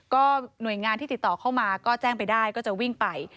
ก็หน่วยงานที่ติดต่อเข้ามาก็แจ้งไปได้ก็จะวิ่งไป